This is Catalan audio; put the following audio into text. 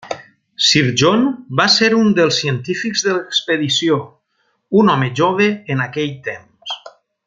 Sir John va ser un dels científics de l'expedició, un home jove en aquell temps.